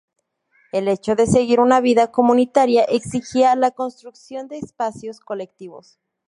El hecho de seguir una vida comunitaria exigía la construcción de espacios colectivos.